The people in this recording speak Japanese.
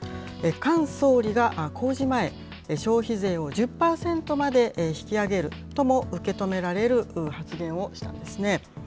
菅総理が公示前、消費税を１０％まで引き上げるとも受け止められる発言をしたんですね。